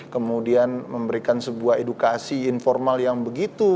kemudian memberikan sebuah edukasi informal yang begitu